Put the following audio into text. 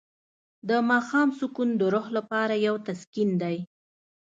د ماښام سکون د روح لپاره یو تسکین دی.